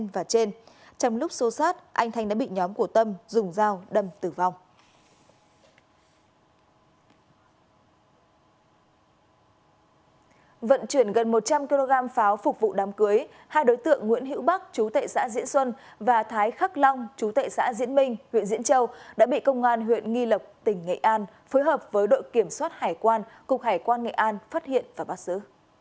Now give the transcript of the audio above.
vận chuyển gần một trăm linh kg pháo phục vụ đám cưới hai đối tượng nguyễn hữu bắc chú tệ xã diễn xuân và thái khắc long chú tệ xã diễn minh huyện diễn châu đã bị công an huyện nghi lộc tỉnh nghệ an phối hợp với đội kiểm soát hải quan cục hải quan nghệ an phát hiện và bác sứ